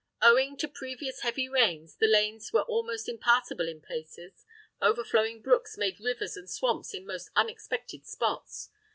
Owing to previous heavy rains, the lanes were almost impassable in places; overflowing brooks made rivers and swamps in most unexpected spots.